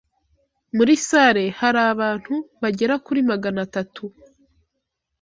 Muri salle hari abantu bagera kuri magana atatu.